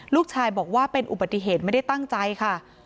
ลูกชายบอกว่าเป็นอุบัติเหตุไม่ได้ตั้งใจค่ะ